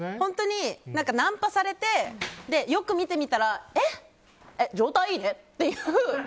ナンパされて、よく見てみたらえっ、状態いいねっていう。